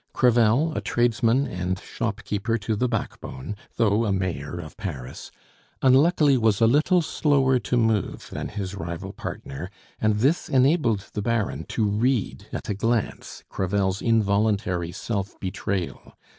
Crevel, a tradesman and shopkeeper to the backbone, though a mayor of Paris, unluckily, was a little slower to move than his rival partner, and this enabled the Baron to read at a glance Crevel's involuntary self betrayal.